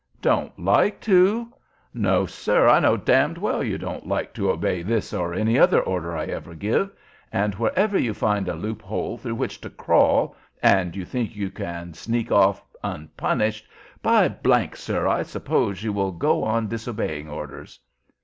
"Don't like to? No sir, I know d d well you don't like to obey this or any other order I ever gave, and wherever you find a loop hole through which to crawl, and you think you can sneak off unpunished, by , sir, I suppose you will go on disobeying orders.